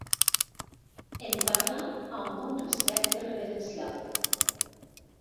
En parla amb un respecte reverencial.